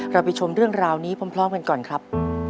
ไปชมเรื่องราวนี้พร้อมกันก่อนครับ